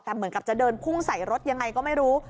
แต่เหมือนกับจะเดินพุ่งใส่รถยังไงก็ไม่รู้